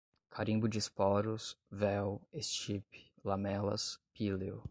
carimbo de esporos, véu, estipe, lamelas, píleo